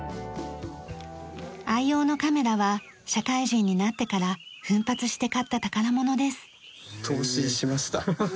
愛用のカメラは社会人になってから奮発して買った宝物です。